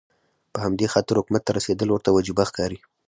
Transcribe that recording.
په همدې خاطر حکومت ته رسېدل ورته وجیبه ښکاري.